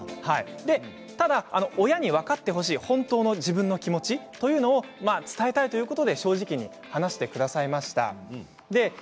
ただ親に分かってほしい本当の自分の気持ちというのを伝えたいということで正直に話してくださいました。